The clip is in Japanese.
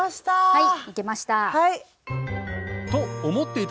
はい。